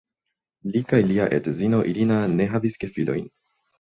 Li kaj lia edzino "Irina" ne havis gefilojn.